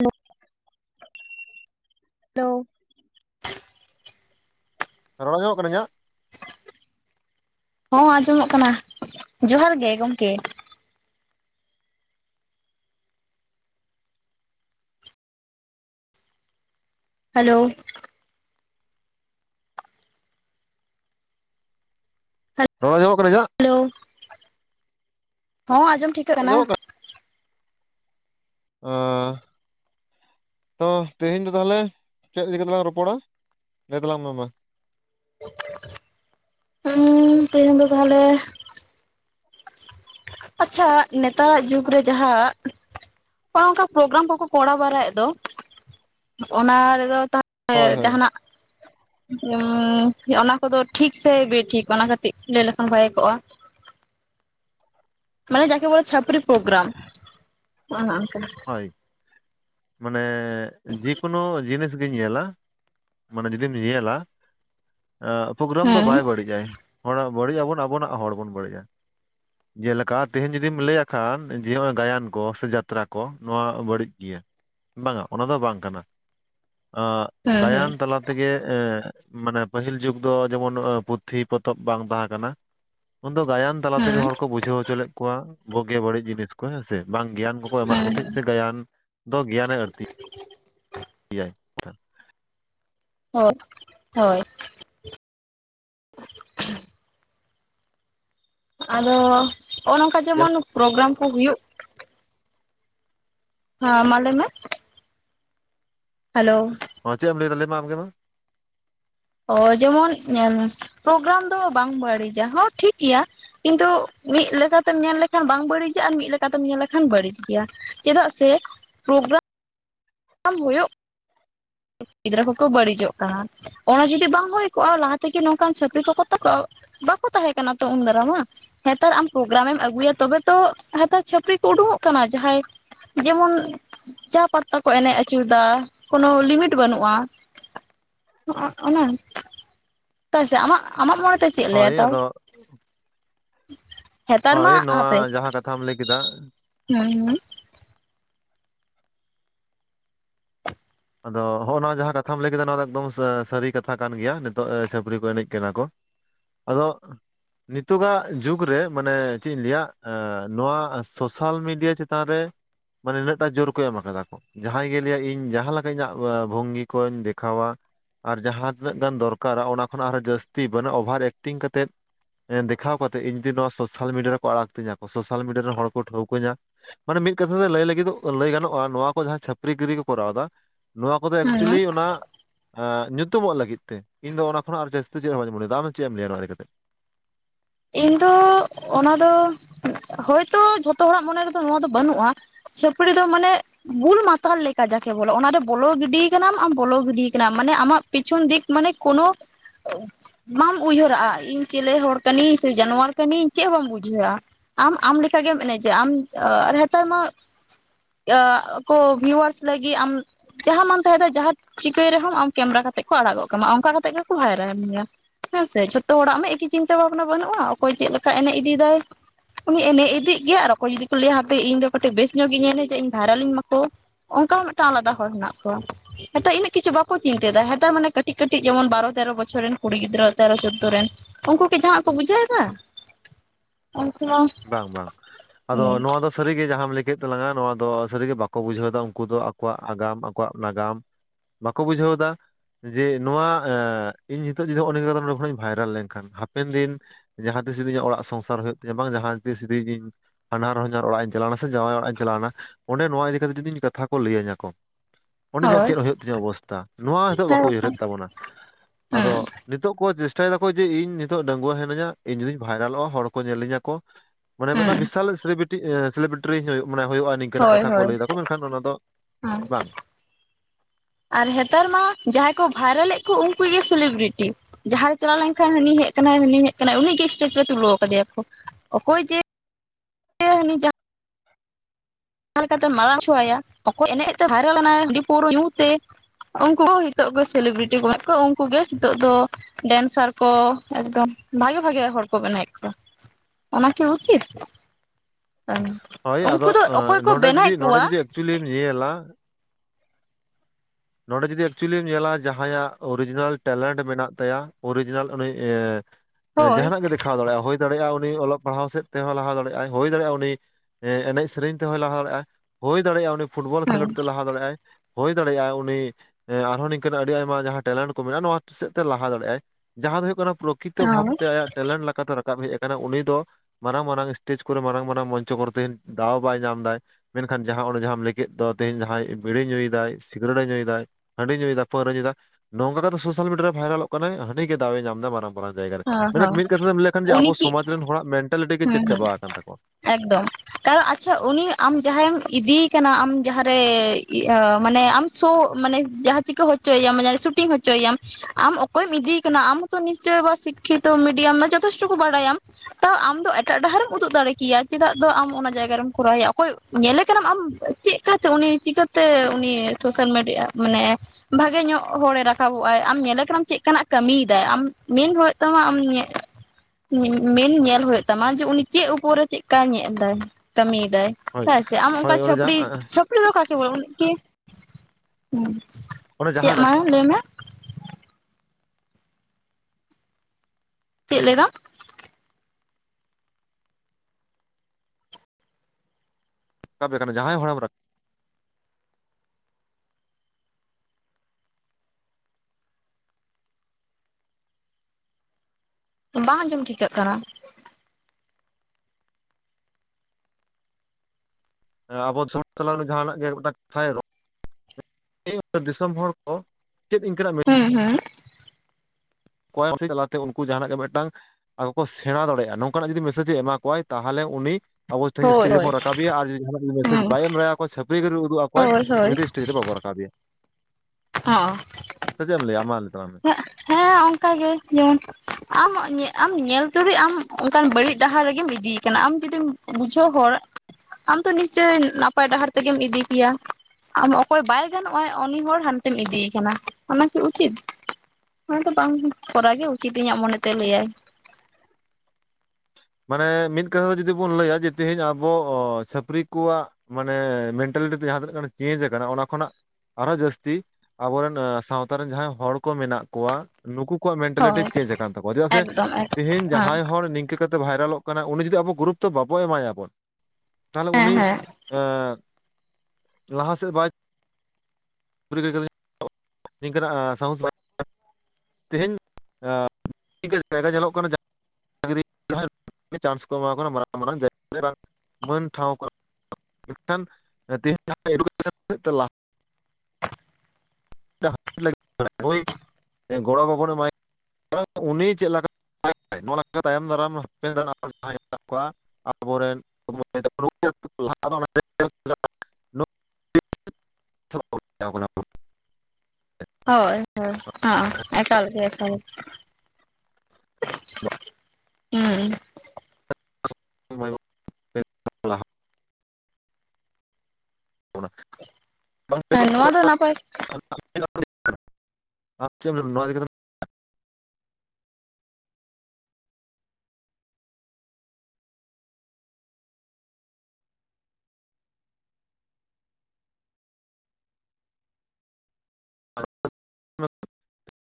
Hello hello ᱨᱚᱲ ᱟᱡᱚᱢᱟᱜ ᱠᱟᱹᱱᱟ ᱤᱧᱟᱹᱜ? ᱦᱚᱸ ᱟᱸᱡᱚᱢᱚᱜ ᱠᱟᱱᱟ ᱡᱚᱦᱟᱨ ᱜᱮ ᱜᱚᱢᱠᱮ ᱦᱮᱞᱳ, ᱨᱚᱲ ᱟᱡᱚᱢᱟᱜ ᱠᱟᱱᱟ ᱤᱧᱟᱸᱜ? ᱦᱮᱞᱳ, ᱦᱚᱸ ᱟᱸᱡᱚᱢ ᱴᱷᱤᱠᱟᱹᱜ ᱠᱟᱱᱟ᱾ ᱟᱸᱡᱚᱢᱚᱜ ᱟ ᱛᱚ ᱛᱮᱦᱮᱧ ᱫᱚ ᱛᱟᱦᱚᱞᱮ ᱪᱮᱫ ᱤᱫᱤ ᱠᱟᱛᱮ ᱞᱟᱝ ᱨᱚᱯᱚᱲᱟ ᱞᱟᱹᱭ ᱛᱟᱞᱟᱝ ᱢᱮ ᱢᱟ? ᱩᱸ ᱛᱮᱦᱮᱧ ᱫᱚ ᱛᱟᱦᱚᱞᱮ ᱟᱪᱪᱷᱟ ᱱᱮᱛᱟᱨᱟᱜ ᱡᱩᱜᱽᱨᱮ ᱡᱟᱦᱟᱸ ᱚᱱᱠᱟ ᱯᱨᱳᱜᱨᱟᱢ ᱠᱚᱠᱚ ᱠᱚᱨᱟᱣ ᱵᱟᱲᱟᱭᱮᱫ ᱫᱚ ᱚᱱᱟ ᱨᱮᱫᱚ ᱛᱟ ᱮ ᱦᱳᱭ ᱦᱳᱭ ᱡᱟᱦᱟᱱᱟᱜ ᱚᱱᱟ ᱠᱚᱫᱚ ᱴᱷᱤᱠ ᱥᱮ ᱵᱮᱴᱷᱤᱠ ᱚᱱᱟ ᱠᱟᱹᱴᱤᱡ ᱞᱟᱹᱭ ᱞᱮᱠᱷᱟᱱ ᱵᱷᱟᱜᱮ ᱠᱚᱜᱼᱟ? ᱢᱟᱱᱮ ᱡᱟᱠᱮ ᱵᱚᱞᱮ ᱪᱷᱟᱯᱟᱹᱨᱤ ᱯᱨᱳᱜᱨᱟᱢ ᱚᱱᱮᱚᱱᱠᱟ᱾ ᱦᱳᱭ ᱢᱟᱱᱮ ᱡᱮᱠᱳᱱᱳ ᱡᱤᱱᱤᱥ ᱜᱤᱧ ᱧᱮᱞᱟ ᱢᱟᱱᱮ ᱡᱩᱫᱤᱢ ᱧᱮᱞᱟ ᱮ ᱯᱨᱳᱜᱨᱟᱢ ᱫᱚ ᱦᱮᱸ ᱵᱟᱭ ᱵᱟᱹᱲᱤᱡᱟᱭ᱾ ᱦᱚᱲᱟᱜ ᱵᱟᱹᱲᱤᱡ ᱟᱵᱚᱱ ᱟᱵᱚᱱᱟᱜ ᱦᱚᱲ ᱵᱚᱱ ᱵᱟᱹᱲᱤᱡᱼᱟ, ᱡᱮᱞᱮᱠᱟ ᱛᱮᱦᱮᱧ ᱡᱩᱫᱤᱢ ᱞᱟᱹᱭᱟ ᱠᱷᱟᱱ ᱡᱮ ᱱᱟᱣᱟ ᱜᱟᱭᱟᱱ ᱠᱚ ᱥᱮ ᱡᱟᱛᱨᱟ ᱠᱚ ᱱᱚᱣᱟ ᱵᱟᱹᱲᱤᱡ ᱜᱮᱭᱟ, ᱵᱟᱝᱟ ᱚᱱᱟ ᱫᱚ ᱵᱟᱝ ᱠᱟᱱᱟ᱾ ᱟᱜ ᱦᱮᱸ ᱦᱮᱸ ᱜᱟᱭᱟᱱ ᱛᱟᱞᱟ ᱛᱮᱜᱮ ᱮ ᱢᱟᱱᱮ ᱯᱟᱹᱦᱤᱞ ᱡᱩᱜᱽ ᱫᱚ ᱡᱮᱢᱚᱱ ᱯᱩᱛᱷᱤ ᱯᱚᱛᱚᱵ ᱵᱟᱝ ᱛᱟᱦᱮᱸ ᱠᱟᱱᱟ᱾ ᱩᱱᱫᱚ ᱜᱟᱭᱟᱱ ᱛᱟᱞᱟ ᱦᱮᱸ ᱛᱮᱜᱮ ᱦᱚᱲ ᱠᱚ ᱵᱩᱡᱷᱟᱹᱣ ᱦᱚᱪᱚ ᱞᱮᱫ ᱠᱚᱣᱟ ᱵᱩᱜᱤ ᱵᱟᱹᱲᱤᱡ ᱡᱤᱱᱤᱥ ᱠᱚ ᱦᱮᱸᱥᱮ ᱵᱟᱝ ᱜᱮᱭᱟᱱ ᱠᱚ ᱠᱚ ᱮᱢᱟᱜ ᱦᱮᱸ ᱠᱚᱛᱮ ᱥᱮ ᱜᱟᱭᱟᱱ ᱫᱚ ᱜᱮᱭᱟᱱᱮ ᱟᱹᱲᱛᱤ ᱮᱭᱟᱭ᱾ ᱦᱳ ᱦᱳᱭ᱾ ᱟᱫᱚ ᱦᱚᱜᱼ ᱱᱚᱝᱠᱟ ᱡᱮᱢᱚᱱ ᱯᱨᱳᱜᱨᱟᱢ ᱠᱚ ᱦᱩᱭᱩᱜ ᱦᱮᱸ ᱢᱟ ᱞᱟᱹᱭ ᱢᱮ᱾ ᱦᱮᱞᱳ, ᱦᱚᱸᱪᱮᱫ ᱮᱢ ᱞᱟᱹᱭ ᱫᱟ ᱞᱟᱹᱭ ᱢᱮ ᱟᱢᱟ ᱜᱮ ᱢᱟ᱾ ᱚ ᱡᱮᱢᱚᱱ ᱯᱨᱳᱜᱨᱟᱢ ᱫᱚ ᱵᱟᱝ ᱵᱟᱹᱲᱤᱡᱟ ᱦᱚᱸ ᱴᱷᱤᱠ ᱜᱮᱭᱟ᱾ ᱠᱤᱱᱛᱩ ᱢᱤᱫ ᱞᱮᱠᱟᱛᱮᱢ ᱧᱮᱞ ᱞᱮᱠᱷᱟᱱ ᱵᱟᱝ ᱵᱟᱹᱲᱤᱡᱼᱟ ᱟᱨ ᱢᱤᱫ ᱞᱮᱠᱟᱛᱮᱢ ᱧᱮᱞ ᱞᱮᱠᱷᱟᱱ ᱵᱟᱹᱲᱤᱡ ᱜᱮᱭᱟ᱾ ᱪᱮᱫᱟᱜ ᱥᱮ ᱯᱨᱳᱜᱨᱟᱢ ᱟᱢ ᱦᱩᱭᱩᱜ ᱜᱤᱫᱽᱨᱟᱹ ᱦᱚᱠᱚ ᱵᱟᱹᱲᱤᱡᱚᱜ ᱠᱟᱱᱟ᱾ ᱚᱱᱟ ᱡᱩᱫᱤ ᱵᱟᱝ ᱦᱩᱭ ᱠᱚᱜᱼᱟ ᱞᱟᱦᱟ ᱛᱮᱜᱮ ᱱᱚᱝᱠᱟᱱ ᱪᱷᱟᱹᱯᱨᱤ ᱠᱚᱠᱚ ᱛᱟᱠᱚ ᱵᱟᱠᱚ ᱛᱟᱦᱮᱸ ᱠᱟᱱᱟ ᱛᱚ ᱩᱱ ᱫᱟᱨᱟᱢ ᱢᱟ᱾ ᱱᱮᱛᱟᱨ ᱟᱢ ᱯᱨᱳᱜᱨᱟᱢ ᱮᱢ ᱟᱹᱜᱩᱭᱟ ᱛᱚᱵᱮ ᱛᱚ ᱱᱮᱛᱟᱨ ᱪᱷᱟᱹᱯᱨᱤ ᱠᱚ ᱩᱰᱩᱠᱚᱜ ᱠᱟᱱᱟ ᱡᱟᱦᱟᱸᱭ ᱡᱮᱢᱚᱱ ᱡᱟ ᱯᱟᱛᱟ ᱠᱚ ᱮᱱᱮᱡ ᱟᱪᱩᱨᱮᱫᱟ ᱠᱚᱱᱳ ᱞᱤᱢᱤᱴ ᱵᱟᱹᱱᱩᱜᱼᱟ ᱚᱱᱮ ᱛᱟᱭᱥᱮ ᱟᱢᱟᱜ ᱟᱢᱟᱜ ᱢᱚᱱᱮ ᱛᱮ ᱪᱮᱫ ᱞᱟᱹᱭᱟᱭ ᱦᱳᱭ ᱛᱟᱣ? ᱟᱫᱚ ᱦᱮᱛᱟᱨ ᱢᱟ ᱦᱳᱭ ᱱᱚᱣᱟ ᱡᱟᱦᱟᱸ ᱠᱟᱛᱷᱟᱢ ᱞᱟᱹᱭ ᱠᱮᱫᱟ᱾ ᱦᱩ ᱩ᱾ ᱟᱫᱚ ᱦᱚᱜᱼᱱᱚᱣᱟ ᱡᱟᱦᱟᱸ ᱠᱟᱛᱷᱟᱢ ᱞᱟᱹᱭ ᱠᱮᱫᱟ ᱱᱚᱣᱟ ᱫᱚ ᱮᱠᱫᱚᱢ ᱥᱟᱹᱨᱤ ᱠᱟᱛᱷᱟ ᱠᱟᱱ ᱜᱮᱭᱟ ᱱᱤᱛᱚᱜ ᱪᱷᱟᱹᱯᱟᱹᱨᱤ ᱠᱚ ᱮᱱᱮᱡ ᱠᱟᱱᱟ ᱠᱚ᱾ ᱟᱫᱚ ᱱᱤᱛᱚᱜᱟᱜ ᱡᱩᱜᱽ ᱨᱮ ᱢᱟᱱᱮ ᱪᱮᱫ ᱤᱧ ᱞᱟᱹᱭᱟ ᱱᱚᱣᱟ ᱥᱳᱥᱟᱞ ᱢᱤᱰᱤᱭᱟ ᱪᱮᱛᱟᱱ ᱨᱮ ᱢᱟᱱᱮ ᱱᱤᱱᱟᱹᱜ ᱴᱟ ᱡᱳᱨ ᱠᱚ ᱮᱢ ᱟᱠᱟᱫᱟ ᱠᱚ ᱡᱟᱦᱟᱸᱭ ᱜᱮ ᱞᱟᱹᱭᱟ ᱤᱧ ᱡᱟᱦᱟᱸ ᱤᱟᱹᱜ ᱵᱷᱚᱝᱜᱤ ᱠᱚᱧ ᱫᱮᱠᱷᱟᱣᱟ᱾ ᱟᱨ ᱡᱟᱦᱟᱸ ᱛᱤᱱᱟᱹᱜ ᱜᱟᱱ ᱫᱚᱨᱠᱟᱨᱟ ᱚᱱᱟ ᱠᱷᱚᱱᱟᱜ ᱟᱨᱦᱚᱸ ᱡᱟᱹᱥᱛᱤ ᱵᱟᱝ ᱚᱵᱷᱟᱨ ᱮᱠᱴᱤᱝ ᱠᱟᱛᱮᱫ ᱫᱮᱠᱷᱟᱣ ᱠᱟᱛᱮ ᱤᱧ ᱡᱩᱫᱤ ᱱᱚᱣᱟ ᱥᱳᱥᱟᱞ ᱢᱤᱰᱤᱭᱟ ᱨᱮᱠᱚ ᱟᱲᱟᱜ ᱛᱤᱧᱟᱹ ᱠᱚ ᱥᱳᱥᱟᱞ ᱢᱤᱰᱤᱭᱟ ᱨᱮᱱ ᱦᱚᱲ ᱠᱚ ᱴᱷᱟᱹᱣᱠᱟᱹᱧᱟ᱾ ᱢᱟᱱᱮ ᱢᱤᱫ ᱠᱟᱛᱷᱟ ᱛᱮ ᱞᱟᱹᱭ ᱞᱟᱹᱜᱤᱫ ᱫᱚᱜ ᱞᱟᱹᱭ ᱜᱟᱱᱚᱜᱼᱟ ᱱᱚᱣᱟ ᱠᱚ ᱡᱟᱦᱟᱸ ᱪᱷᱟᱹᱯᱨᱤ ᱜᱤᱨᱤ ᱠᱚ ᱠᱚᱨᱟᱣᱮᱫᱟ ᱱᱚᱣᱟ ᱠᱚᱫᱚ ᱦᱩᱸ ᱮᱠᱪᱩᱭᱮᱞᱤ ᱦᱩᱸ ᱚᱱᱟ ᱮᱸᱻ, ᱧᱩᱛᱩᱢᱚᱜ ᱞᱟᱹᱜᱤᱫ ᱛᱮ, ᱤᱧ ᱫᱚ ᱚᱱᱟ ᱠᱷᱚᱱᱟᱜ ᱟᱨ ᱡᱟᱹᱥᱛᱤ ᱪᱮᱫ ᱦᱚᱸ ᱵᱟᱹᱧ ᱢᱚᱱᱮᱭᱫᱟ᱾ ᱟᱢ ᱪᱮᱫ ᱮᱢ ᱞᱟᱹᱭᱟ ᱱᱚᱣᱟ ᱤᱫᱤ ᱠᱟᱛᱮᱫ? ᱤᱧ ᱫᱚ ᱚᱱᱟ ᱫᱚ ᱦᱳᱭᱛᱚ ᱡᱷᱚᱛᱚ ᱦᱚᱲᱟᱜ ᱢᱚᱱᱮ ᱨᱮᱫᱚ ᱱᱚᱣᱟ ᱫᱚ ᱵᱟᱹᱱᱩᱜ-ᱟ᱾ ᱪᱷᱤᱯᱲᱤ ᱫᱚ ᱢᱟᱱᱮ ᱵᱩᱞ ᱢᱟᱛᱟᱞ ᱞᱮᱠᱟ ᱡᱟᱠᱮ ᱵᱚᱞᱮ, ᱚᱱᱟᱨᱮ ᱵᱚᱞᱚ ᱜᱤᱰᱤᱭ ᱠᱟᱱᱟᱢ ᱟᱢ ᱵᱚᱞᱚ ᱜᱤᱰᱤᱭ ᱠᱟᱱᱟᱢ ᱢᱟᱱᱮ ᱟᱢᱟᱜ ᱯᱤᱪᱷᱚᱱ ᱫᱤᱠ ᱢᱟᱱᱮ ᱠᱚᱱᱳ ᱵᱟᱢ ᱩᱭᱦᱟᱹᱨᱟᱜ-ᱟ ᱤᱧ ᱪᱤᱞᱤ ᱦᱚᱲ ᱠᱟᱹᱱᱤᱧ᱾ ᱥᱮ ᱡᱟᱱᱣᱟᱨ ᱠᱟᱹᱱᱤᱧ ᱪᱮᱫ ᱦᱚᱸ ᱵᱟᱢ ᱵᱩᱡᱷᱟᱹᱣᱟ᱾ ᱟᱢ, ᱟᱢ ᱞᱮᱠᱟᱜᱮᱢ ᱮᱱᱮᱡᱮᱟ ᱟᱢ ᱱᱮᱛᱟᱨ ᱢᱟ᱾ ᱟᱸᱻ ᱠᱚ ᱵᱷᱤᱭᱩᱣᱟᱨᱥ ᱞᱟᱹᱜᱤᱫ ᱟᱢ ᱡᱟᱦᱟᱸ ᱢᱟᱱ ᱛᱟᱦᱟᱸᱭ ᱫᱚ ᱡᱟᱦᱟᱸ ᱪᱤᱠᱟᱹᱭ ᱨᱮᱦᱚᱸᱢ ᱟᱢ ᱠᱮᱢᱨᱟ ᱠᱟᱛᱮᱜ ᱠᱚ ᱟᱲᱟᱜ ᱜᱚᱜ ᱠᱟᱢᱟ ᱚᱱᱠᱟ ᱠᱟᱛᱮᱜ ᱜᱮᱠᱚ ᱵᱷᱟᱭᱨᱟᱞ ᱢᱮᱭᱟ᱾ ᱦᱮᱸ ᱥᱮ ᱡᱚᱛᱚ ᱦᱚᱲᱟᱜ ᱢᱟ ᱮᱠᱤ ᱪᱤᱱᱛᱟᱹ ᱵᱷᱟᱵᱱᱟ ᱵᱟᱹᱱᱩᱜ-ᱟ ᱚᱠᱚᱭ ᱪᱮᱫ ᱞᱮᱠᱟᱭ ᱮᱱᱮᱡ ᱤᱫᱤᱭᱮᱫᱟᱭ᱾ ᱩᱱᱤ ᱮᱱᱮᱡ ᱤᱫᱤᱭᱮᱫ ᱜᱮᱭᱟ ᱟᱨ ᱚᱠᱚᱭ ᱡᱩᱫᱤ ᱠᱚ ᱞᱟᱹᱭᱟ ᱦᱟᱯᱮ ᱤᱧ ᱫᱚ ᱠᱟᱹᱴᱤᱡ ᱵᱮᱥ ᱧᱚᱜ ᱜᱤᱧ ᱮᱱᱮᱡᱟ ᱤᱧ ᱵᱷᱟᱭᱨᱮᱞᱤᱧ ᱢᱟᱠᱚ᱾ ᱚᱝᱠᱟ ᱦᱚᱸ ᱢᱤᱫᱴᱟᱝ ᱟᱞᱟᱫᱟ ᱦᱚᱲ ᱢᱮᱱᱟᱜ ᱠᱚᱣᱟ᱾ ᱦᱮᱸᱛᱟᱨ ᱤᱱᱟᱹᱜ ᱠᱤᱷᱩ ᱵᱟᱠᱚ ᱪᱤᱱᱛᱟᱹᱭᱮᱫᱟ ᱦᱮᱸᱛᱟᱨ ᱢᱟᱱᱮ ᱠᱟᱹᱴᱤᱡ ᱠᱟᱹᱴᱤᱡ ᱡᱮᱢᱚᱱ ᱵᱟᱨᱚ ᱛᱮᱨᱚ ᱵᱚᱪᱷᱨ ᱨᱮᱱ ᱠᱩᱲᱤ ᱜᱤᱫᱽᱨᱟᱹ ᱛᱮᱨᱚ ᱪᱚᱫᱫᱳ ᱨᱮᱱ᱾ ᱩᱱᱠᱩ ᱠᱤ ᱡᱟᱸᱦᱟᱱᱟᱜ ᱠᱚ ᱵᱩᱡᱷᱟᱹᱣ ᱮᱫᱟ? ᱩᱱᱠᱩ ᱢᱟ ᱵᱟᱝ ᱵᱟᱝ, ᱟᱫᱚ ᱱᱚᱣᱟ ᱫᱚ ᱥᱟᱹᱨᱤᱜᱮ ᱡᱟᱦᱟᱸᱢ ᱞᱟᱹᱭ ᱠᱮᱫ ᱛᱟᱞᱟᱝᱼᱟ ᱱᱚᱣᱟ ᱫᱚ ᱥᱟᱹᱨᱤᱜᱮ ᱵᱟᱠᱚ ᱵᱩᱡᱷᱟᱹᱣᱫᱟ ᱩᱱᱠᱩ ᱫᱚ ᱟᱠᱚᱣᱟᱜ ᱟᱜᱟᱢ, ᱟᱠᱚᱣᱟᱜ ᱱᱟᱜᱟᱢ᱾ ᱵᱟᱠᱚ ᱵᱩᱡᱷᱟᱹᱣᱫᱟ᱾ ᱡᱮ ᱱᱚᱣᱟ ᱮᱸ ᱤᱧ ᱱᱤᱛᱚᱜ ᱡᱩᱫᱤ ᱱᱚᱜ-ᱚ ᱱᱝᱠᱟ ᱱᱚᱸᱰᱮ ᱠᱷᱚᱱᱟᱜ ᱤᱧ ᱵᱷᱟᱭᱨᱟᱞ ᱞᱮᱱᱠᱷᱟᱱ ᱦᱟᱯᱮᱱ ᱫᱤᱱ ᱡᱟᱦᱟᱸ ᱛᱤᱥ ᱡᱩᱫᱤ ᱤᱧᱟᱹᱜ ᱚᱲᱟᱜ ᱥᱚᱝᱥᱟᱨ ᱦᱩᱭᱩᱜ ᱛᱤᱧᱟᱹ ᱵᱟᱝ ᱡᱟᱦᱟᱸ ᱛᱤᱥ ᱡᱩᱫᱤ ᱤᱧᱤᱧ ᱦᱟᱱᱦᱟᱨ ᱦᱚᱧᱦᱟᱨ ᱚᱲᱟᱜ ᱤᱧ ᱪᱟᱞᱟᱣᱱᱟ ᱥᱮ ᱡᱟᱶᱟᱭ ᱚᱲᱟᱜ ᱤᱧ ᱪᱟᱞᱟᱣᱱᱟ ᱚᱸᱰᱮ ᱱᱚᱣᱟ ᱤᱫᱤ ᱠᱟᱛᱮᱫ ᱡᱩᱫᱤ ᱤᱧ ᱠᱟᱛᱷᱟ ᱠᱚ ᱞᱟᱹᱭᱟᱹᱧᱟᱹ ᱠᱚ᱾ ᱚᱸᱰᱮ ᱤᱧᱟᱹᱜ ᱦᱳᱭ ᱪᱮᱫ ᱦᱩᱭᱩᱜ ᱛᱤᱧᱟᱹ ᱚᱵᱚᱥᱛᱷᱟ ᱱᱚᱣᱟ ᱦᱤᱸᱛᱳᱜ ᱦᱮᱸ ᱵᱟᱠᱚ ᱩᱭᱦᱟᱹᱨᱮᱫ ᱛᱟᱵᱚᱱᱟ᱾ ᱟᱫᱚ ᱱᱤᱛᱚᱜ ᱠᱚ ᱪᱮᱥᱴᱟᱭ ᱫᱟᱠᱚ ᱡᱮ ᱤᱧ ᱱᱤᱛᱚᱜ ᱰᱟᱺᱜᱩᱣᱟᱹ ᱦᱤᱱᱟᱹᱧᱟ ᱤᱧ ᱡᱩᱫᱤ ᱵᱷᱟᱭᱨᱟᱞᱚᱜ-ᱟ ᱦᱚᱲ ᱠᱚ ᱧᱮᱞᱤᱧᱟ ᱠᱚ᱾ ᱢᱟᱱᱮ ᱦᱮᱸ ᱢᱤᱫᱴᱟᱝ ᱵᱤᱥᱟᱞ ᱥᱮᱞᱤᱵᱤᱴᱤ, ᱮᱸ ᱥᱮᱞᱤᱵᱤᱤᱴᱨᱤᱧ ᱦᱩᱭᱩᱜ ᱢᱟᱱᱮ ᱦᱩᱭᱩᱜ-ᱟ᱾ ᱱᱤᱝᱠᱟᱱᱟᱜ ᱦᱳᱭ ᱠᱟᱛᱷᱟ ᱠᱚ ᱦᱳᱭ ᱞᱟᱹᱭ ᱫᱟᱠᱚ ᱢᱮᱱᱠᱷᱟᱱ ᱚᱱᱟ ᱫᱚ ᱦᱮᱸ ᱵᱟᱝ᱾ ᱟᱨ ᱱᱮᱛᱟᱨ ᱢᱟ ᱡᱟᱦᱟᱸᱭ ᱠᱚ ᱵᱷᱟᱭᱨᱟᱞᱮᱫ ᱠᱚ ᱩᱱᱠᱩ ᱜᱮ ᱥᱮᱞᱤᱵᱤᱨᱤᱴᱤ᱾ ᱡᱟᱦᱟᱸ‌ ᱨᱮ ᱪᱟᱞᱟᱣ ᱞᱮᱱᱠᱷᱟᱱ ᱦᱟᱹᱱᱤ ᱦᱮᱡ ᱠᱟᱱᱟᱭ ᱦᱟᱹᱱᱤ ᱦᱮᱡ ᱠᱟᱱᱟᱭ ᱩᱱᱤᱜ ᱜᱮ ᱥᱴᱮᱡᱽ ᱨᱮ ᱛᱩᱞᱟᱹᱣ ᱠᱟᱫᱮᱭᱟ ᱠᱚ᱾ ᱚᱠᱚᱭ ᱡᱮ [inaudible] ᱩᱱᱤ [unintelligible] ᱡᱟᱦᱟᱸ ᱞᱮᱠᱟᱛᱮ ᱢᱟᱲᱟᱝ ᱦᱚᱪᱚᱣᱟᱭᱟ ᱚᱠᱚᱭ ᱮᱱᱮᱡ ᱛᱮ ᱵᱷᱟᱭᱨᱟᱞ ᱟᱠᱟᱱᱟᱭ ᱦᱟᱺᱰᱤ ᱯᱟᱣᱨᱟᱹ ᱧᱩ ᱛᱮ᱾ ᱩᱱᱠᱩ ᱦᱤᱸᱛᱳᱜ ᱜᱮ ᱥᱮᱞᱤᱵᱤᱨᱤᱴᱤ ᱠᱚ ᱢᱮᱱᱟᱜ ᱠᱚ ᱩᱱᱠᱩ ᱜᱮ ᱦᱤᱸᱛᱳᱜ ᱫᱚ᱾ ᱰᱮᱱᱥᱟᱨ ᱠᱚ ᱮᱠᱫᱚᱢ ᱵᱷᱟᱜᱮ ᱵᱷᱟᱜᱮ ᱦᱚᱲ ᱠᱚ ᱵᱮᱱᱟᱣᱮᱫ ᱠᱚᱣᱟ᱾ ᱚᱱᱟ ᱠᱤ ᱩᱪᱤᱛ? ᱦᱳᱭ ᱩᱱᱠᱩ ᱟᱫᱚ ᱫᱚ ᱚᱠᱚᱭ ᱠᱚ ᱱᱚᱸᱰᱮ ᱡᱩᱫᱤ, ᱵᱮᱱᱟᱣᱮᱫ ᱱᱚᱸᱰᱮ ᱠᱚᱣᱟ ᱡᱩᱫᱤ ᱮᱠᱪᱩᱭᱮᱞᱤᱢ ᱧᱮᱞᱟ᱾ ᱱᱚᱸᱰᱮ ᱡᱩᱫᱤ ᱮᱠᱪᱩᱭᱮᱞᱤᱢ ᱧᱮᱞᱟ ᱡᱟᱦᱟᱸᱭᱟᱜ ᱚᱨᱤᱡᱤᱱᱟᱞ ᱴᱮᱞᱮᱱᱴ ᱢᱮᱱᱟᱜ ᱛᱟᱭᱟ ᱚᱨᱤᱡᱤᱱᱟᱞ ᱩᱱᱤ ᱮᱸᱻ ᱮᱸ, ᱦᱳᱭ ᱡᱟᱸᱦᱟᱱᱟᱜ ᱜᱮ ᱫᱮᱠᱷᱟᱣ ᱫᱟᱲᱮᱭᱟᱜ-ᱟ, ᱦᱩᱭ ᱫᱟᱲᱮᱭᱟᱜ-ᱟ ᱩᱱᱤ ᱚᱞᱚᱜ ᱯᱟᱲᱦᱟᱣ ᱥᱮᱫ ᱛᱮᱦᱚᱸ ᱞᱟᱦᱟ ᱫᱟᱲᱮᱭᱟᱜ-ᱟᱭ, ᱦᱩᱭ ᱫᱟᱲᱮᱭᱟᱜ-ᱟ ᱩᱱᱤ ᱮᱸ, ᱮᱱᱮᱡ ᱥᱮᱨᱮᱧ ᱛᱮᱦᱚᱸᱭ ᱞᱟᱦᱟ ᱫᱟᱲᱮᱭᱟᱜ-ᱟ, ᱦᱩᱭ ᱫᱟᱲᱮᱭᱟᱜ-ᱟ ᱩᱱᱤ ᱯᱷᱩᱴᱵᱚᱞ ᱠᱷᱮᱞᱳᱸᱰ ᱦᱮᱸ ᱛᱮ ᱞᱟᱦᱟ ᱫᱟᱲᱮᱭᱟᱜ-ᱟᱭ, ᱦᱩᱭ ᱫᱟᱲᱮᱭᱟᱜ-ᱟᱭ ᱩᱱ ᱩᱱᱤ ᱟᱨᱦᱚᱸ ᱱᱤᱝᱠᱟᱹᱱ ᱟᱰᱤ ᱟᱭᱢᱟ ᱡᱟᱦᱟᱸ ᱴᱮᱞᱮᱱᱴ ᱠᱚ ᱢᱮᱱᱟᱜ-ᱟ ᱱᱚᱣᱟ ᱥᱮᱫ ᱛᱮ ᱞᱟᱦᱟ ᱫᱟᱲᱮᱭᱟᱜ-ᱟᱭ ᱡᱟᱦᱟᱸ ᱫᱚ ᱦᱩᱭᱩᱜ ᱠᱟᱱᱟ ᱯᱨᱚ ᱯᱨᱚᱠᱤᱛᱚ ᱦᱮᱸ ᱵᱷᱟᱵᱽᱛᱮ ᱟᱭᱟᱜ ᱴᱮᱞᱮᱱᱴ ᱞᱮᱠᱟᱛᱮ ᱨᱟᱠᱟᱵᱽ ᱦᱮᱡ ᱟᱠᱟᱱᱟ ᱩᱱᱤ ᱫᱚ ᱢᱟᱨᱟᱝ ᱢᱟᱨᱟᱝ ᱮᱥᱴᱮᱡᱽ ᱠᱚᱨᱮ ᱢᱟᱨᱟᱝ ᱢᱟᱨᱟᱝ ᱢᱚᱧᱪᱚ ᱠᱚᱨᱮ ᱛᱮᱦᱮᱧ ᱫᱟᱣ ᱵᱟᱭ ᱧᱟᱢ ᱫᱟᱭ᱾ ᱢᱮᱱᱠᱷᱟᱱ ᱡᱟᱦᱟᱸ ᱚᱸᱰᱮ ᱡᱟᱦᱟᱸᱢ ᱞᱮ ᱠᱮᱫ ᱫᱚ ᱛᱮᱦᱮᱧ ᱡᱟᱦᱟᱸᱭ ᱵᱤᱲᱤ ᱧᱩᱭᱫᱟᱭ ᱥᱤᱜᱽ ᱜᱟᱹᱨᱮᱰᱮ ᱧᱩᱭᱮᱫᱟ, ᱦᱟᱺᱰᱤ ᱧᱩᱭᱫᱟ,, ᱯᱟᱹᱣᱨᱟᱹ ᱧᱩᱭᱫᱟ ᱱᱚᱝᱠᱟ ᱠᱟᱛᱮᱫ ᱥᱳᱥᱟᱞ ᱢᱤᱰᱤᱭᱟ ᱨᱮ ᱵᱷᱟᱭᱨᱟᱞᱚᱜ ᱠᱟᱱᱟᱭ ᱦᱟᱹᱱᱤ ᱜᱮ ᱫᱟᱣᱮ ᱧᱟᱢᱫᱟ ᱢᱟᱨᱟᱝ ᱢᱟᱨᱟᱝ ᱡᱟᱭᱜᱟ ᱨᱮᱺ ᱦᱮᱸ ᱢᱮᱱᱮᱠ ᱦᱮᱸ ᱢᱤᱫ ᱠᱟᱛᱷᱟᱛᱮᱢ ᱞᱮᱠᱷᱟᱱ ᱡᱮ ᱟᱵᱚ ᱥᱚᱢᱟᱡᱽ ᱨᱮᱱ ᱦᱚᱲᱟᱜ ᱢᱮᱱᱴᱟᱞᱤᱴᱤ ᱜᱮ ᱦᱩᱸ ᱪᱮᱫ ᱦᱩᱸ ᱪᱟᱵᱟ ᱟᱠᱟᱱ ᱛᱟᱠᱚᱣᱟ ᱮᱠᱫᱚᱢ ᱠᱟᱨᱚᱱ ᱟᱪᱪᱷᱟ ᱩᱱᱤ ᱟᱢ ᱡᱟᱦᱟᱸᱭᱮᱢ ᱤᱫᱤᱭᱮ ᱠᱟᱱᱟ ᱟᱢ ᱡᱟᱦᱟᱸᱨᱮ᱾ ᱤᱭᱟᱹ ᱢᱟᱱᱮ ᱟᱢ ᱥᱳ ᱢᱟᱱᱮ ᱡᱟᱦᱟᱸ ᱪᱤᱠᱟᱹ ᱦᱚᱪᱚᱭᱟᱢ ᱢᱟᱱᱮ ᱥᱩᱴᱤᱝ ᱦᱚᱪᱚᱭᱟᱢ᱾ ᱟᱢ ᱚᱠᱚᱭᱮᱢ ᱤᱫᱤᱭᱮ ᱠᱟᱱᱟ ᱟᱢᱦᱚᱛᱚ ᱱᱤᱥᱪᱳᱭ ᱵᱟ ᱥᱤᱠᱷᱤᱛᱚ ᱢᱤᱰᱤᱭᱟᱢ ᱮ ᱡᱚᱛᱷᱮᱥᱴᱚ ᱠᱩ ᱵᱟᱰᱟᱭᱟᱢ᱾ ᱛᱟ ᱟᱢ᱾ ᱮᱴᱟᱜ ᱰᱟᱦᱟᱨᱢ ᱩᱫᱩᱜ ᱫᱟᱲᱮᱠᱮᱭᱟ ᱪᱮᱫᱟᱜ ᱫᱚ ᱟᱢ ᱚᱱᱟ ᱡᱟᱭᱜᱟ ᱨᱮᱢ ᱠᱚᱨᱟᱣᱭᱟ ᱚᱠᱚᱭ ᱧᱮᱞᱮ ᱠᱟᱱᱟᱢ ᱟᱢ ᱪᱮ᱾ ᱪᱤᱠᱟᱹᱛᱮ ᱩᱱᱤ ᱪᱤᱠᱟᱹᱛᱮ ᱩᱱᱤ ᱥᱳᱥᱟᱞ ᱢᱤᱰᱤᱭᱟ ᱢᱟᱱᱮ᱾ ᱵᱷᱟᱜᱮ ᱧᱚᱜ ᱦᱚᱲᱮ ᱨᱟᱠᱟᱵᱚᱜ ᱟᱭ ᱟᱢ ᱧᱮᱞᱮ ᱠᱟᱱᱟᱢ ᱪᱮᱫ ᱠᱟᱱᱟᱜ ᱠᱟᱹᱢᱤᱭᱮᱫᱟᱭ ᱟᱢ ᱢᱮᱱ ᱦᱳᱭᱳ ᱛᱟᱢᱟ ᱟᱢ ᱱᱩᱭᱟ᱾ ᱢᱮᱱ ᱧᱮᱞ ᱦᱳᱭᱳᱜ ᱛᱟᱢᱟ ᱡᱮ ᱩᱱᱤ ᱪᱮᱫ ᱩᱯᱚᱨᱮ ᱪᱮᱫᱠᱟᱭ ᱧᱮᱞ ᱫᱟᱭ ᱠᱟᱹᱢᱤᱭᱮᱫᱟᱭ᱾ ᱦᱳᱭ ᱦᱮᱸ ᱥᱮ ᱟᱢ ᱩᱱᱠᱟ ᱦᱳᱭ ᱚᱱᱮ ᱪᱷᱟᱯᱨᱤ ᱡᱟᱦᱟᱸ [inaudible] ᱠᱟᱠᱮ ᱵᱚᱞᱮᱸ ᱠᱮ ᱚᱱᱮ ᱪᱮᱫ ᱡᱟᱦᱟᱸ ᱢᱟ ᱞᱟᱹᱭ ᱢᱮ᱾ ᱪᱮ ᱞᱮᱹᱭ ᱫᱟᱢ᱾ ᱨᱟᱠᱟᱵ-ᱮ ᱠᱟᱱᱟ ᱡᱟᱦᱟᱸᱭ ᱦᱚᱲᱟᱢ ᱨᱟᱠᱟᱵ᱾ ᱵᱟᱝ ᱟᱸᱡᱚᱢ ᱴᱷᱤᱠᱟᱹᱜ ᱠᱟᱱᱟ᱾ ᱟᱵᱚ ᱥᱚᱴ ᱛᱟᱞᱟᱨᱮ ᱡᱟᱦᱟᱱᱟᱜ ᱜᱮ ᱢᱮᱫᱴᱟᱝ ᱠᱟᱛᱷᱟᱭ᱾ ᱩᱱᱤ ᱚᱱᱟ ᱫᱤᱥᱚᱢ ᱦᱚᱲ ᱠᱚ ᱪᱮᱫ ᱤᱱᱠᱟᱹᱱᱟᱜ᱾ ᱩᱸ ᱦᱩᱸ [inaudible] ᱪᱟᱞᱟᱛᱮ ᱩᱱᱠᱩ ᱡᱟᱦᱟᱱᱟᱜ ᱜᱮ ᱢᱮᱫᱴᱟᱝ ᱟᱠᱚ ᱠᱚ ᱥᱮᱬᱟ ᱫᱟᱲᱮᱼᱟ ᱱᱚᱝᱠᱟᱱᱟᱜ ᱡᱩᱫᱤ ᱢᱮᱥᱮᱡᱽ ᱮ ᱮᱢᱟ ᱠᱚᱣᱟᱭ ᱛᱟᱦᱚᱞᱮ ᱩᱱᱤ᱾ ᱟᱵᱚ ᱛᱮᱦᱮᱧ ᱦᱳᱭ ᱮᱥᱴᱮᱡᱽ ᱦᱳᱭ ᱨᱮᱵᱚᱱ ᱨᱟᱠᱟᱵᱮᱭᱟ ᱟᱨ ᱡᱚᱫᱤ ᱡᱟᱦᱱᱟᱜ ᱢᱮᱡᱽ ᱦᱩᱸ ᱵᱟᱭ ᱮᱢᱫᱟᱲᱮᱠᱚᱣᱟ ᱪᱷᱟᱹᱯᱨᱤ ᱜᱤᱨᱤ᱾ ᱩᱫᱩᱜ ᱟᱠᱚᱭ ᱦᱳᱭ ᱦᱳᱭ ᱱᱩᱭ ᱫᱚ ᱮᱥᱴᱮᱡᱽ ᱨᱮ ᱵᱟᱵᱚ ᱨᱟᱠᱟᱵᱮᱭᱟ᱾ ᱚᱸ ᱪᱮᱫ ᱮᱢ ᱞᱟᱹᱭᱼᱟ ᱢᱟ ᱞᱟᱹᱭ ᱛᱟᱞᱟᱝ ᱢᱮ᱾ ᱦᱮᱸ ᱦᱮᱸ ᱚᱱᱠᱟ ᱜᱮ ᱡᱮᱢᱚᱱ᱾ ᱟᱢ ᱧᱮ ᱟᱢ ᱧᱮᱞ ᱛᱩᱞᱩᱪ ᱟᱢ ᱚᱱᱠᱟᱱ ᱵᱟᱹᱲᱤᱡ ᱰᱟᱦᱟᱨ ᱨᱮᱜᱮᱢ ᱤᱫᱤᱭᱮ ᱠᱟᱱᱟ ᱟᱢ ᱡᱩᱫᱤᱢ᱾ ᱵᱩᱡᱷᱟᱹᱣ ᱦᱚᱲ ᱟᱢᱛᱚ ᱱᱤᱥᱪᱳᱭ ᱱᱟᱯᱟᱭ ᱰᱟᱦᱟᱨ ᱛᱮᱜᱮᱢ ᱤᱫᱤ ᱠᱮᱭᱟ᱾ ᱟᱢ ᱚᱠᱚᱭ ᱵᱟᱭ ᱜᱟᱱᱚᱜ ᱟᱭ ᱩᱱᱤ ᱦᱚᱲ ᱦᱟᱱᱛᱮᱢ ᱤᱫᱤᱭᱮ ᱠᱟᱱᱟ ᱚᱱᱟᱠᱤ ᱩᱪᱤᱛ᱾ ᱚᱱᱟ ᱫᱚ ᱵᱟᱝ ᱠᱚᱨᱟᱣ ᱜᱮ ᱩᱪᱤᱛ ᱤᱧᱟᱹᱜ ᱢᱚᱱᱮᱛᱮ ᱞᱟᱹᱭᱼᱟᱭ᱾ ᱢᱟᱱᱮ ᱢᱤᱫ ᱠᱟᱛᱷᱟ ᱛᱮ ᱡᱩᱫᱤ ᱵᱚᱱ ᱞᱟᱹᱭᱟ ᱡᱮ ᱛᱮᱦᱮᱧ ᱟᱵᱚ ᱪᱷᱟᱹᱯᱨᱤ ᱠᱚᱣᱟᱜ᱾ ᱢᱟᱱᱮ ᱢᱮᱱᱴᱟᱞᱤᱴᱤ ᱛᱮ ᱡᱟᱦᱟᱸ ᱛᱤᱱᱟᱹᱜ ᱜᱟᱱ ᱪᱮᱧᱡᱽ ᱠᱟᱱᱟ ᱚᱱᱟ ᱠᱷᱚᱱᱟᱜ᱾ ᱟᱨᱦᱚᱸ ᱡᱟᱹᱥᱛᱤ ᱟᱵᱚᱨᱮᱱ ᱥᱟᱶᱛᱟ ᱨᱮᱱ ᱡᱟᱦᱟ ᱦᱚᱲ ᱠᱚ ᱢᱮᱱᱟᱜ ᱠᱚᱣᱟ᱾ ᱱᱩᱠᱩ ᱠᱚᱣᱟᱜ ᱢᱮᱱᱴᱟᱞᱤᱴᱤ ᱦᱳᱭ ᱪᱮᱧᱡ ᱠᱟᱱ ᱛᱟᱠᱚᱣᱟ ᱪᱮᱫᱟᱜ ᱥᱮ ᱮᱠᱫᱚᱢ ᱮᱠᱫᱚᱢ ᱛᱮᱦᱤᱧ ᱦᱮᱸ ᱡᱟᱦᱟᱸᱭ ᱦᱚᱲ ᱱᱤᱱ᱾ ᱪᱤᱠᱟᱹᱛᱮ ᱵᱷᱟᱭᱨᱟᱞᱚᱜ ᱠᱟᱱᱟ ᱩᱱᱤ ᱡᱩᱫᱤ ᱟᱵᱚ ᱜᱩᱨᱩᱛᱚ ᱵᱟᱵᱚ ᱮᱢᱟᱭᱟᱵᱚᱱ ᱛᱟᱦᱚᱞᱮ ᱦᱮᱸ ᱩᱱᱤ᱾ ᱦᱮᱸ ᱮ ᱞᱟᱦᱟ ᱥᱮᱫ ᱵᱟᱭ᱾ [unintelligible] ᱱᱤᱝᱠᱟᱱᱟ ᱥᱟᱦᱚᱥ ᱵᱟᱭ ᱛᱮᱦᱮᱧ ᱱᱤᱝᱠᱟ ᱡᱟᱭᱜᱟ ᱧᱮᱞᱚᱜ ᱠᱟᱱᱟ ᱡᱟ ᱾ [unintelligible] ᱪᱟᱱᱥ ᱠᱚ ᱮᱢᱟ ᱠᱟᱱᱟ ᱢᱟᱨᱟᱝ ᱢᱟᱨᱟᱝ ᱡᱟᱭᱟ ᱨᱮᱵᱟᱜ ᱢᱟᱹᱱ ᱴᱷᱟᱶ ᱠᱚ᱾ ᱢᱤᱫᱴᱟᱝ ᱛᱮᱦᱤᱧ ᱡᱟᱦᱟᱸ ᱮᱰᱩᱠᱮᱥᱚᱱ ᱛᱮ ᱞᱟᱦᱟ᱾ [unintelligible] ᱜᱚᱲᱚ ᱵᱟᱵᱚᱱ ᱮᱢᱟᱭ ᱩᱱᱤ ᱪᱮ [inaudible] [unintelligible] ᱦᱳᱭ ᱱᱚᱣᱟ ᱛᱟᱭᱚᱢ ᱫᱟᱨᱟᱢᱯᱮᱱ [unintelligible] ᱡᱟᱦᱟᱸᱭ ᱦᱮᱱᱟᱜ ᱠᱚᱣᱟ ᱟᱵᱚᱨᱮᱱ [unintelligible] ᱱᱚᱣᱟ [unintelligible] [unintelligible] ᱦᱳᱭ ᱦᱳᱭ ᱦᱚ ᱮᱠᱟᱞ ᱜᱮ ᱮᱠᱟᱞ ᱜᱮ ᱦᱩᱸ [unintelligible] ᱱᱚᱣᱟ ᱫᱚ [unintelligible] ᱱᱟᱯᱟᱭ ᱟᱢ ᱪᱮᱫ ᱢᱮᱱᱟᱢ ᱱᱚᱣᱟ ᱤᱫᱤ ᱠᱟᱛᱮᱱ? [unintelligible]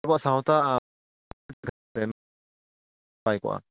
ᱟᱵᱚᱣᱟᱜ ᱥᱟᱶᱛᱟ [unintelligible] ᱱᱟᱯᱟᱭ ᱠᱚᱜᱼᱟ ᱾